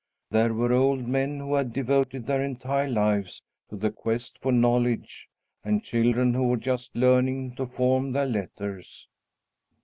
There were old men who had devoted their entire lives to the quest for knowledge, and children who were just learning to form their letters.